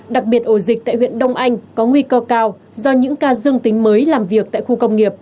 đặc biệt ổ dịch tại huyện đông anh có nguy cơ cao do những ca dương tính mới làm việc tại khu công nghiệp